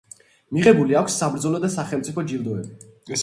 მიღებული აქვს საბრძოლო და სახელმწიფო ჯილდოები.